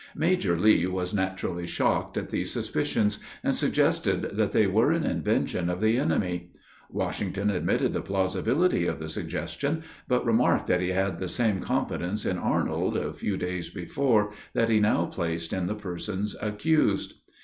Major Lee was naturally shocked at these suspicions, and suggested that they were an invention of the enemy. Washington admitted the plausibility of the suggestion, but remarked that he had the same confidence in Arnold, a few days before, that he now placed in the persons accused.